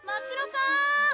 さん！